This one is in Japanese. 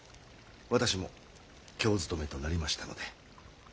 私も京勤めとなりましたので。